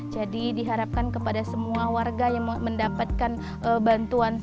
jadi diharapkan kepada semua warga yang mendapatkan bantuan sanimas